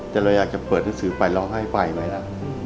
แต่เราอยากจะเปิดหนังสือไปร้องให้ไปไหมละ